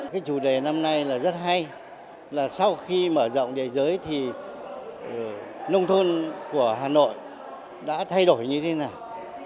cái chủ đề năm nay là rất hay là sau khi mở rộng đề giới thì nông thôn của hà nội đã thay đổi như thế nào